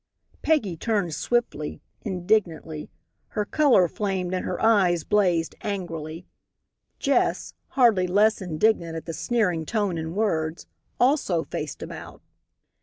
Peggy turned swiftly, indignantly. Her color flamed and her eyes blazed angrily. Jess, hardly less indignant at the sneering tone and words, also faced about.